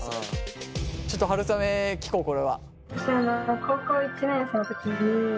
ちょっとはるさめ聞こうこれは。